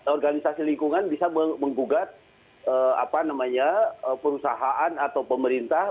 organisasi lingkungan bisa menggugat perusahaan atau pemerintah